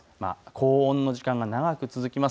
高温の時間が長く続きます。